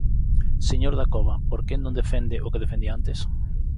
Señor Dacova, ¿por que non defende o que defendía antes?